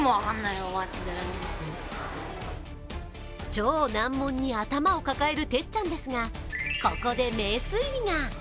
超難問に頭を抱えるてっちゃんですが、ここで名推理が。